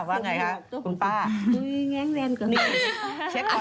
ว่าไงครับคุณป้า